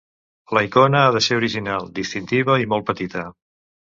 La icona ha de ser original, distintiva i molt petita.